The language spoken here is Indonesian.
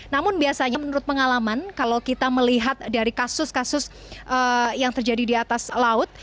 namun biasanya menurut pengalaman kalau kita melihat dari kasus kasus yang terjadi di atas laut